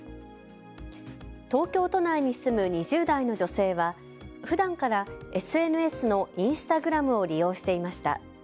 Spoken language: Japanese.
東京都内に住む２０代の女性はふだんからＳＮＳのインスタグラムを利用していました。